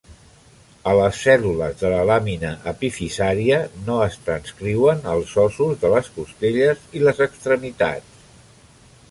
A les cèl·lules de la làmina epifisaria no es transcriuen els ossos de les costelles i les extremitats.